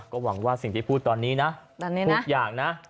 ก็หวังว่าสิ่งที่พูดตอนนี้นะทุกอย่างนะ